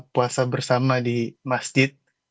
puasa bersama di masjid